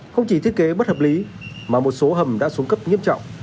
không chỉ thiết kế bất hợp lý mà một số hầm đã xuống cấp nghiêm trọng